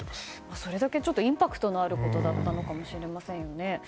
それだけインパクトがあることだったのかもしれませんね。